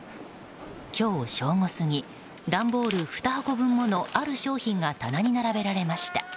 今日、正午過ぎ段ボール２箱分ものある商品が棚に並べられました。